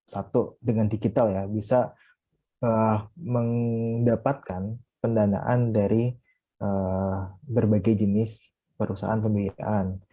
satu dengan digital ya bisa mendapatkan pendanaan dari berbagai jenis perusahaan pembiayaan